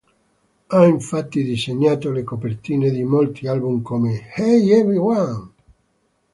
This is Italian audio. Ha infatti disegnato le copertine di molti album come "Hey Everyone!